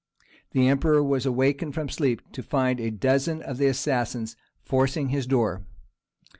The Emperor was awakened from sleep to find a dozen of the assassins forcing his door.